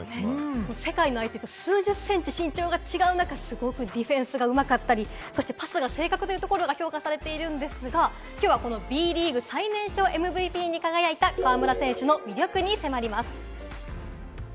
世界の相手と数十センチ身長が違う中、すごくディフェンスがうまかったり、パスが正確というところが評価されているんですが、きょうはＢリーグ最年少ＭＶＰに輝いた河村選手の魅力に迫ります。